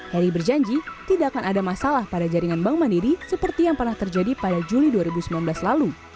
heri berjanji tidak akan ada masalah pada jaringan bank mandiri seperti yang pernah terjadi pada juli dua ribu sembilan belas lalu